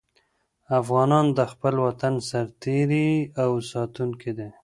افغانان د خپل وطن سرتيري او ساتونکي دي.